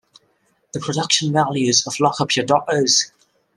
The production values of Lock Up Your Daughters!